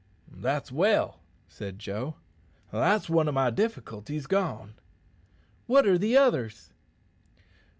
"That's well," said Joe. "That's one o' my difficulties gone." "What are the others?"